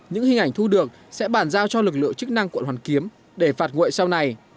những hình ảnh thu được sẽ bàn giao cho lực lượng chức năng quận hoàn kiếm để phạt nguội sau này